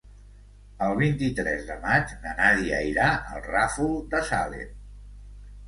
El vint-i-tres de maig na Nàdia irà al Ràfol de Salem.